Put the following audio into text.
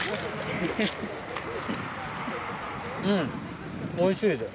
うんおいしいです。